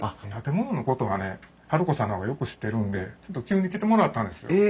建物のことはね治子さんの方がよく知ってるんでちょっと急に来てもらったんですよ。